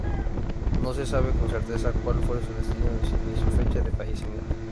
No se sabe con certeza cual fue su destino ni su fecha de fallecimiento.